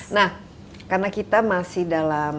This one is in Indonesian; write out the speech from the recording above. nah karena kita masih dalam